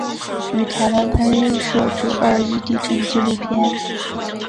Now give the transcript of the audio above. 于台湾拍摄九二一地震纪录片。